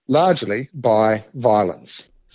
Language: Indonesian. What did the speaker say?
secara besar oleh kekerasan